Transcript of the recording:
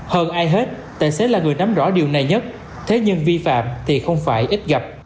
hơn ai hết tài xế là người nắm rõ điều này nhất thế nhưng vi phạm thì không phải ít gặp